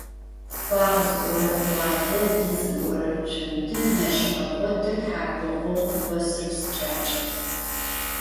Къуагъ зыlорэр къуалэ лы зыlорэр цунды мэщ гъэкlодыр тхьаркъо къогъум къосыр псыкlакlэ